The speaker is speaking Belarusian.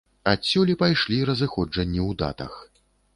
Адсюль і пайшлі разыходжанні ў датах.